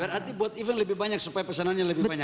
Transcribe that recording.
berarti buat event lebih banyak supaya pesanannya lebih banyak